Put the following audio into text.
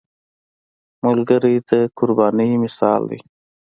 ملګری د قربانۍ مثال دی